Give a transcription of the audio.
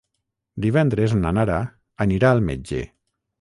Divendres na Nara anirà al metge.